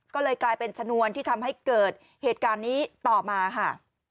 ก็เลยกลายเป็นชนวนที่ทำให้เกิดเหตุการณ์นี้ต่อมาค่ะ